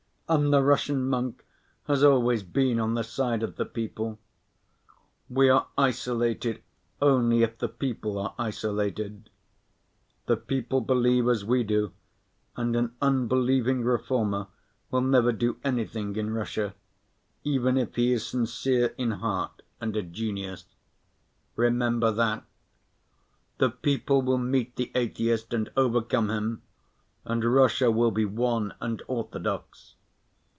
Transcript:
And the Russian monk has always been on the side of the people. We are isolated only if the people are isolated. The people believe as we do, and an unbelieving reformer will never do anything in Russia, even if he is sincere in heart and a genius. Remember that! The people will meet the atheist and overcome him, and Russia will be one and orthodox.